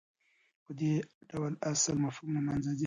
په دې ډول اصلي مفهوم له منځه ځي.